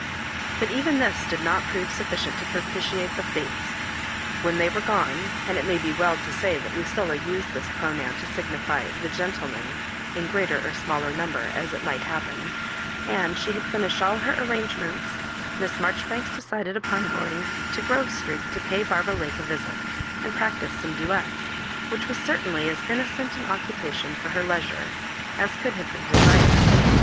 But even this did not prove sufficient to propitiate the Fates. When they were gone — and it may be well to say that Lucilla used this pronoun to signify {htgenikm&n^ in greater or smaller number as it might happen — and she had finished all her arrangements, Miss Marjoribanks decided upon going to Grove Street to pay Barbara Lake a visits and practise some duets, which was certainly as innocent an occupation for her leisure as could have been desired.